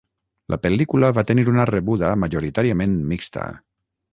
La pel·lícula va tenir una rebuda majoritàriament mixta.